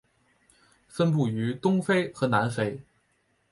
分布于东非和南非。